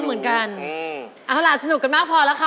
เอาล่ะสนุกกันมากพอแล้วค่ะ